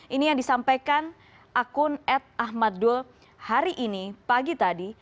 ini yang disampaikan akun ad ahmad dul hari ini pagi tadi